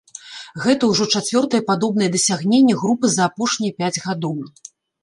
Гэта ўжо чацвёртае падобнае дасягненне групы за апошнія пяць гадоў.